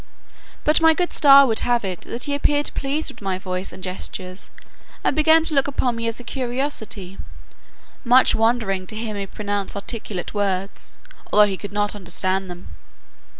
But my good star would have it, that he appeared pleased with my voice and gestures, and began to look upon me as a curiosity, much wondering to hear me pronounce articulate words, although he could not understand them.